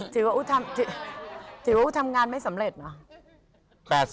ถือว่าถือว่าทำงานไม่สำเร็จเนอะ